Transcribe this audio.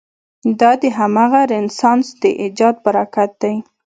دا د همغه رنسانس د ایجاد براکت دی.